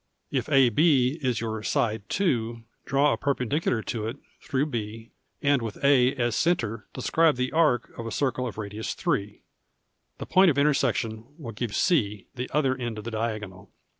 If AH is your side 2, draw a perpendicular to it through B, and with A as centre describe the arc of a circle of radius 3 ; the point of intersection will give C, the other end of the diagonal.